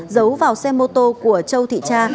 giấu vào xe mô tô của châu thị tra